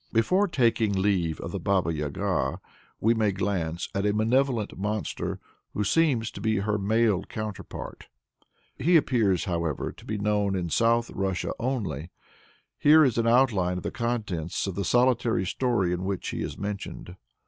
Before taking leave of the Baba Yaga, we may glance at a malevolent monster, who seems to be her male counterpart. He appears, however, to be known in South Russia only. Here is an outline of the contents of the solitary story in which he is mentioned.